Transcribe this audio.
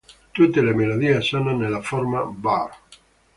Tutte le melodie sono nella forma bar.